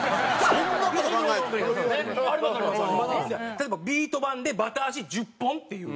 例えばビート板でバタ足１０本っていう。